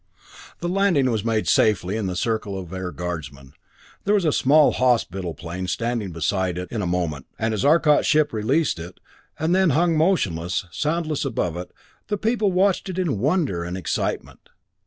The landing was made safely in the circle of Air Guardsmen. There was a small hospital plane standing beside it in a moment, and as Arcot's ship released it, and then hung motionless, soundless above it, the people watched it in wonder and excitement.